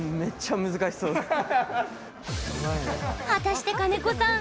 果たして、金子さん